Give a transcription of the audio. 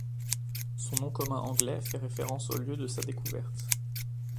Son nom commun anglais fait référence au lieu de sa découverte.